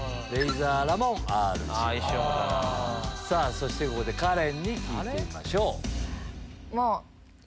そしてここでカレンに聞いてみましょう。